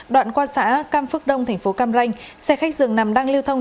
đoạn qua xã cam phước đông thành phố cam ranh xe khách dường nằm đang lưu thông